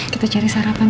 kita cari sarapan